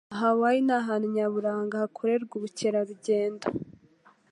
Hawaii ni ahantu nyaburanga hakorerwa ubukerarugendo.